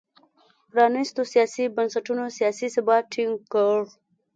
پرانیستو سیاسي بنسټونو سیاسي ثبات ټینګ کړ.